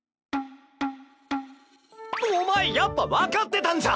お前やっぱ分かってたんじゃ。